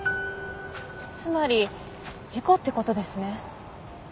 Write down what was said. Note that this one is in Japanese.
つまり事故って事ですね？